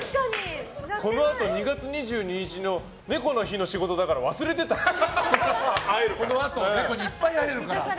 このあと２月２２日の猫の日の仕事だからこのあとネコにいっぱい会えるから。